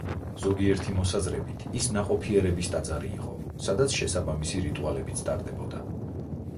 ზოგიერთი მოსაზრებით, ის ნაყოფიერების ტაძარი იყო, სადაც შესაბამისი რიტუალებიც ტარდებოდა.